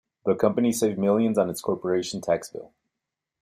The company saved millions on its corporation tax bill.